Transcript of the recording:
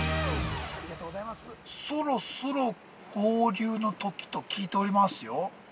◆そろそろ合流のときと聞いておりますよ。